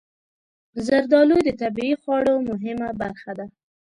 زردالو د طبعي خواړو مهمه برخه ده.